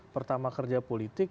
pertama kerja politik